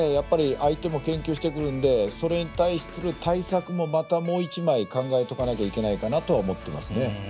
相手も研究してくるのでそれに対する対策もまたもう１枚、考えないといけないかなと思いますね。